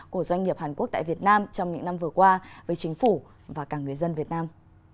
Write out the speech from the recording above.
của doanh nghiệp hàn quốc tại việt nam trong những năm vừa qua với chính phủ và cả người dân việt nam